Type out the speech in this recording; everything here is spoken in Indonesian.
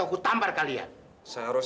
udah makan belum